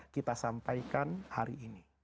kita sampaikan hari ini